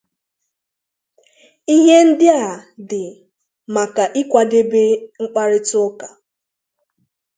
Ihe ndị a dị maka ịkwadebe mkparịta ụka.